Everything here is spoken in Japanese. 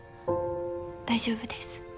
大丈夫です。